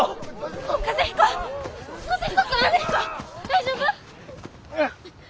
大丈夫？